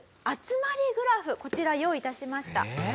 集まりグラフこちら用意致しました。